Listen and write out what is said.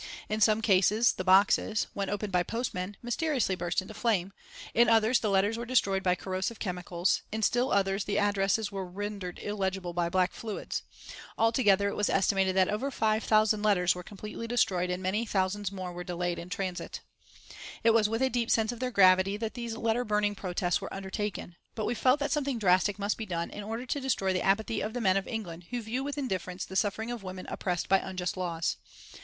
In some cases the boxes, when opened by postmen, mysteriously burst into flame; in others the letters were destroyed by corrosive chemicals; in still others the addresses were rendered illegible by black fluids. Altogether it was estimated that over 5,000 letters were completely destroyed and many thousands more were delayed in transit. It was with a deep sense of their gravity that these letter burning protests were undertaken, but we felt that something drastic must be done in order to destroy the apathy of the men of England who view with indifference the suffering of women oppressed by unjust laws.